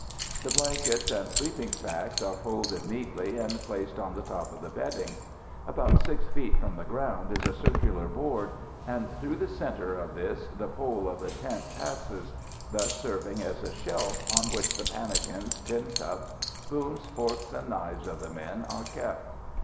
The blankets and sleeping sacks are folded neatly and placed on the top of the bedding. About 6 feet from the ground is a circular board, and through the centre of this the pole of the tent passes; thus serving as a shelf on which the pannikins, tin cups, spoons, forks and knives of the men are kept.